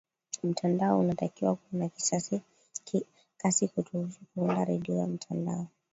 mtandao unatakiwa kuwa na kasi kuruhusu kuunda redio ya mtandao